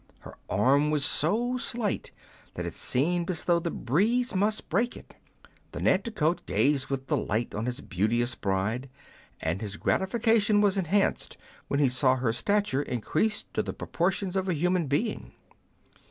Her arm was so slight that it seemed as though the breeze must break it. The Nanticoke gazed with delight on his beauteous bride, and his gratification was enhanced when he saw her stature increase to the proportions of a human being.